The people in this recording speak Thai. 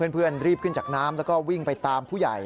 เพื่อนรีบขึ้นจากน้ำแล้วก็วิ่งไปตามผู้ใหญ่